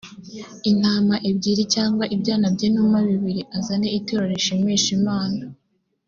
intama ebyiri cyangwa ibyana by’inuma bibiri azane ituro rishimisha imana